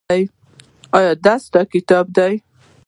ایا دا ستا کتاب دی؟